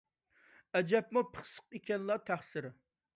ئەجەبمۇ پىخسىق ئىكەنلا، تەقسىر.